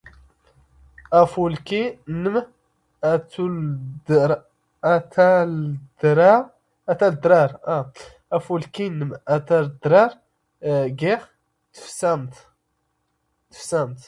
ⴰⴼⵓⵍⴽⵉ ⵏⵏⵎ ⴰ ⵜⴰⵍⴷⵔⴰⵔ, ⴽⵉⵖ ⵜⴼⵙⴰⵎⵜ.